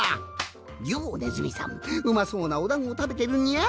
「よおネズミさんうまそうなおだんごたべてるにゃあ」。